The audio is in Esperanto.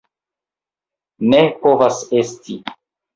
Ne povas esti!